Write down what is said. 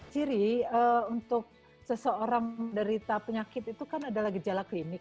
ciri untuk seseorang menderita penyakit itu kan adalah gejala klinik